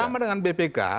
sama dengan bpk